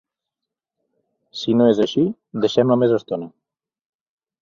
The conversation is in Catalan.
Si no és així, deixem-la més estona.